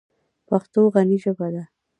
پښتو غني ژبه ده.